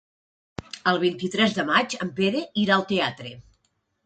El vint-i-tres de maig en Pere irà al teatre.